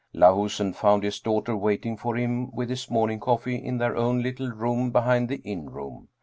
Lahusen found his daughter waiting for him with his morning coffee in their own little room behind the inn room.